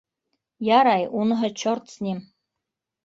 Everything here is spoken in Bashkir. Ярай, уныһы чорт с ним.